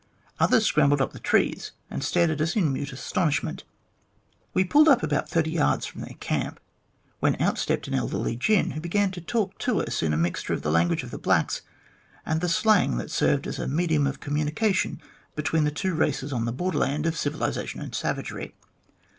Others scrambled up the trees and stared at us in mute astonishment. We pulled up about thirty yards from their camp, when out stepped an elderly gin, who began to talk to us in a mixture of the language of the blacks and the slang that served as a medium of communication between the t\vo races on the border land of civilisation and savagery.